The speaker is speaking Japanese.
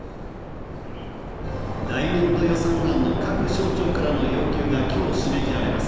来年度予算案の各省庁からの要求が今日締め切られます。